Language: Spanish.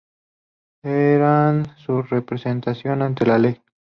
Eran su representación ante la ley.